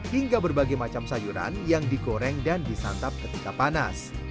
hingga berbagai macam sayuran yang digoreng dan disantap ketika panas